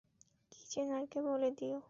কিচ্যানারকে বলে দিয়ো।